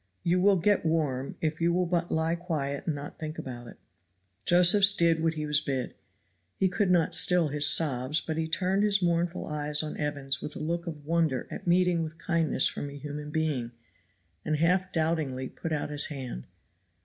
"You will get warm, if you will but lie quiet and not think about it." Josephs did what he was bid. He could not still his sobs, but he turned his mournful eyes on Evans with a look of wonder at meeting with kindness from a human being, and half doubtingly put out his hand.